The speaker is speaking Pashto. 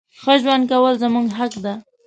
ښه ژوند کول زمونږ حق ده.